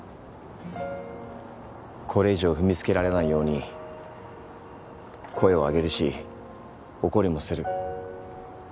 これ以上踏みつけられないように声を上げるし怒りもする。